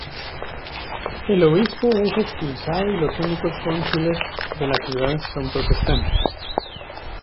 El obispo es expulsado y los únicos cónsules de la ciudad son protestantes.